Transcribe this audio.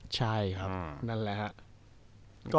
ใช่ครับนั่นแหละ